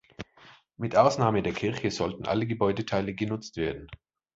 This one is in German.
Mit Ausnahme der Kirche sollten alle Gebäudeteile genutzt werden.